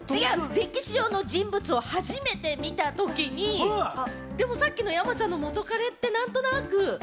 歴史上の人物を初めて見たときに、さっきの、山ちゃんの元カレって何となく。